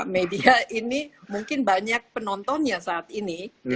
media ini mungkin banyak penontonnya saat ini